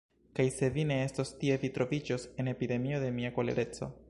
Kaj se vi ne estos tie, vi troviĝos en epidemio de mia kolereco.